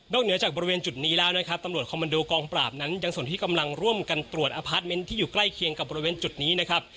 เหนือจากบริเวณจุดนี้แล้วนะครับตำรวจคอมมันโดกองปราบนั้นยังส่วนที่กำลังร่วมกันตรวจอพาร์ทเมนต์ที่อยู่ใกล้เคียงกับบริเวณจุดนี้นะครับ